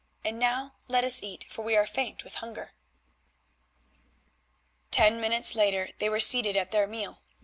And now let us eat, for we are faint with hunger." Ten minutes later they were seated at their meal.